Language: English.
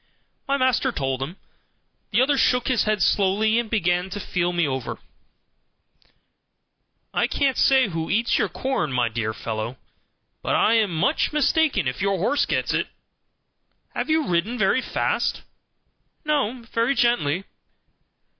My master told him. The other shook his head slowly, and began to feel me over. "I can't say who eats your corn, my dear fellow, but I am much mistaken if your horse gets it. Have you ridden very fast?" "No, very gently."